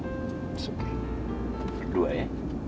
it's okay berdua ya